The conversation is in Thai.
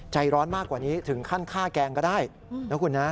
ใจร้อนมากกว่านี้ถึงขั้นฆ่าแกงก็ได้นะคุณนะ